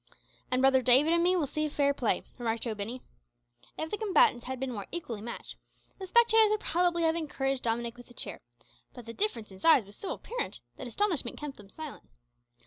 "An' brother David an' me will see fair play," remarked Joe Binney. If the combatants had been more equally matched, the spectators would probably have encouraged Dominick with a cheer, but the difference in size was so apparent, that astonishment kept them silent.